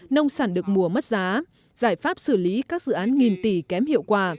nông sản được mùa mất giá giải pháp xử lý các dự án nghìn tỷ kém hiệu quả